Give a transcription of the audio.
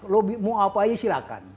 lobby mau apa aja silahkan